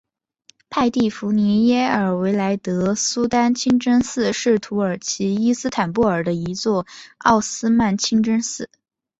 派蒂芙妮耶尔韦莱德苏丹清真寺是土耳其伊斯坦布尔的一座奥斯曼清真寺。